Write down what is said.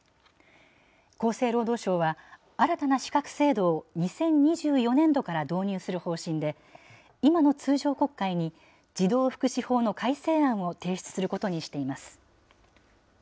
厚生労働省は、新たな資格制度を２０２４年度から導入する方針で、今の通常国会に児童福祉法の改正案を提出することにしています。